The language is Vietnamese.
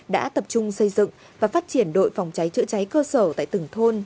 đã tập trung xây dựng và phát triển đội phòng cháy chữa cháy cơ sở tại từng thôn